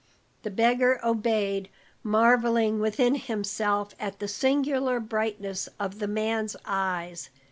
The beggar obeyed, marvelling within himself at the singular brightness of the man's eyes.